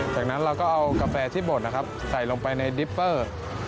จากนั้นเราก็เอากาแฟที่บดนะครับใส่ลงไปในดิฟเฟอร์